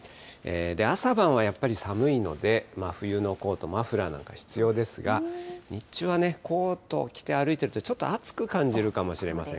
朝晩はやっぱり寒いので、冬のコート、マフラーなんか必要ですが、日中はね、コートを着て歩いているとちょっと暑く感じるかもしれません。